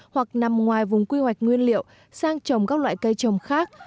hoặc nằm ngoài vùng quy hoạch nguyên liệu sang trồng các loại cây trồng khác